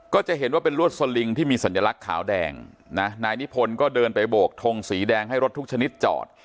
ก็จะเห็นว่าเป็นลวดสลิงที่มีสัญลักษณ์ขาวแดงนะนายนิพนธ์ก็เดินไปโบกทงสีแดงให้รถทุกชนิดจอด